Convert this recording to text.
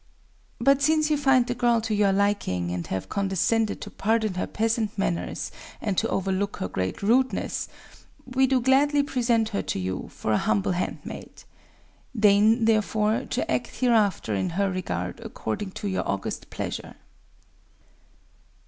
But, since you find the girl to your liking, and have condescended to pardon her peasant manners and to overlook her great rudeness, we do gladly present her to you, for an humble handmaid. Deign, therefore, to act hereafter in her regard according to your august pleasure."